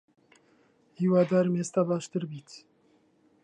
هیوادارم ئێستا باشتر بیت.